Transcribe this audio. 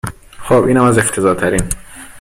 خب اینم از افتضاح ترین